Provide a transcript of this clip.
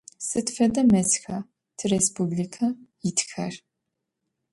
Sıd fede mezxa tirêspublike yitxer?